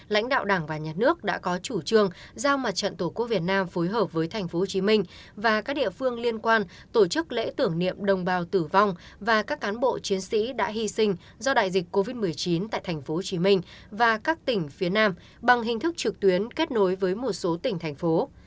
lãnh đạo đảng và nhà nước đã có chủ trương giao mặt trận tổ quốc việt nam phối hợp với tp hcm và các địa phương liên quan tổ chức lễ tưởng niệm đồng bào tử vong và các cán bộ chiến sĩ đã hy sinh do đại dịch covid một mươi chín tại tp hcm và các tỉnh phía nam bằng hình thức trực tuyến kết nối với một số tỉnh thành phố